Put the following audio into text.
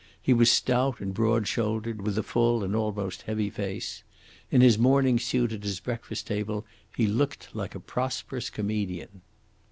He was stout and broad shouldered, with a full and almost heavy face. In his morning suit at his breakfast table he looked like a prosperous comedian.